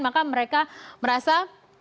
maka mereka merasa